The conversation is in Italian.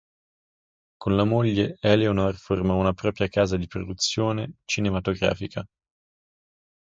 Con la moglie Eleonore formò una propria casa di produzione cinematografica.